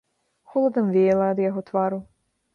Холадам веяла ад яго твару.